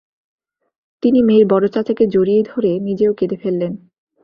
তিনি মেয়ের বড়চাচাকে জড়িয়ে ধরে নিজেও কেঁদে ফেললেন।